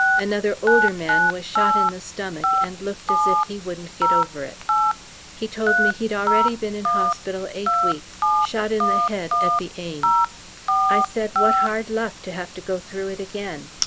Another older man was shot in the stomach, and looked as if he wouldn't get over it. He told me he'd already been in hospital eight weeks, shot in the head at the Aisne. I said what hard luck to have to go through it again.